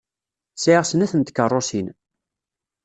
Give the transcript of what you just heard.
Sɛiɣ snat n tkeṛṛusin.